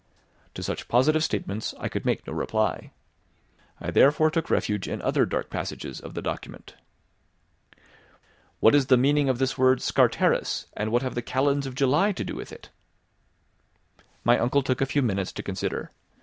To such positive statements I could make no reply. I therefore took refuge in other dark passages of the document. "What is the meaning of this word Scartaris, and what have the kalends of July to do with it?" My uncle took a few minutes to consider.